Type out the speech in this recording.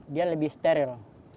dia lebih steril